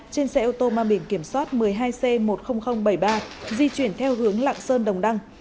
trên xe ô tô mang biển kiểm soát một mươi hai c một mươi nghìn bảy mươi ba di chuyển theo hướng lạng sơn đồng đăng